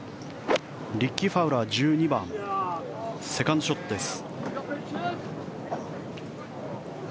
リッキー・ファウラー１２番、セカンドショットです。